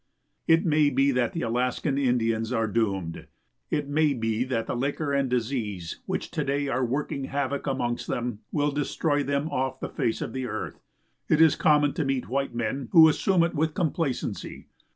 It may be that the Alaskan Indians are doomed; it may be that the liquor and disease which to day are working havoc amongst them will destroy them off the face of the earth; it is common to meet white men who assume it with complacency.